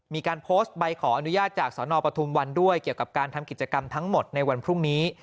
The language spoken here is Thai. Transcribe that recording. มีการโพสต์ใบขออนุญาตจากสนปทุมวันด้วยเกี่ยวกับการทำกิจกรรมทั้งหมดในวันพรุ่งนี้